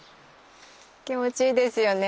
気持ちいいですよね